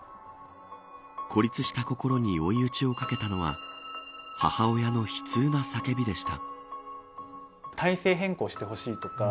孤立した心に追い打ちをかけたのは母親の悲痛な叫びでした。